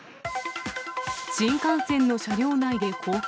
新幹線の車両内で放火。